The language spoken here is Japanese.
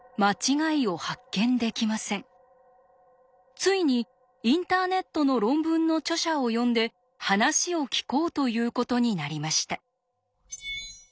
ついにインターネットの論文の著者を呼んで話を聞こうということになりました。